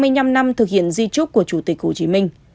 hai mươi năm năm thực hiện di trúc của chủ tịch hồ chí minh